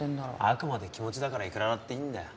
あくまで気持ちだからいくらだっていいんだよ。